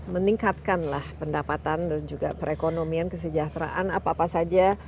meningkatkanlah pendapatan dan juga perekonomian kesejahteraan apa apa saja